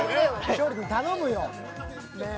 勝利君頼むよねえ。